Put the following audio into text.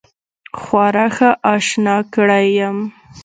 خورا ښه آشنا کړی یم.